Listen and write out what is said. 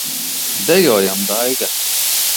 Dejojam, Daiga!